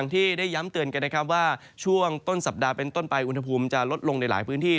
ที่ได้ย้ำเตือนกันนะครับว่าช่วงต้นสัปดาห์เป็นต้นไปอุณหภูมิจะลดลงในหลายพื้นที่